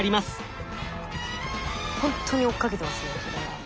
ほんとに追っかけてますね。